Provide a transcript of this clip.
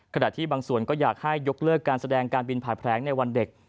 ขณะที่บางส่วนก็อยากให้ยกเลิกการแสดงการบินผ่านแผลงในวันเด็ก